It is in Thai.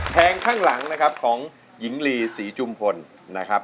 งข้างหลังนะครับของหญิงลีศรีจุมพลนะครับ